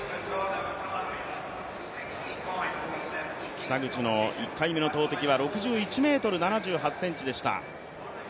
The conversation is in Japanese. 北口の１回目の投てきは６１ｍ７８ｃｍでした。